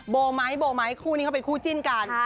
โบไหมโบไหมคู่นี้เขาเป็นคู่จิ้นกัน